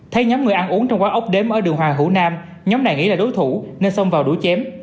thấy nhóm người ăn uống trong quán ốc đếm ở đường hoàng hữu nam nhóm này nghĩ là đối thủ nên xông vào đuổi chém